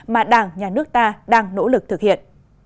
mà đảng nhà nước ta đang nỗ lực thực hiện